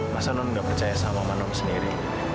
masa non gak percaya sama mama nom sendiri